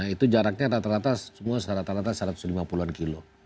itu jaraknya rata rata semua rata rata satu ratus lima puluh an kilo